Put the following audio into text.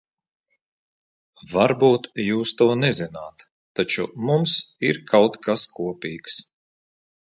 Varbūt jūs to nezināt, taču mums ir kaut kas kopīgs.